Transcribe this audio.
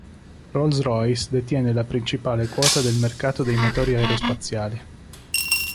Rolls-Royce detiene la principale quota del mercato dei motori aerospaziali.